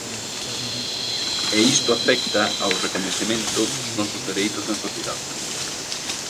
E isto afecta ao recoñecemento dos nosos dereitos na sociedade.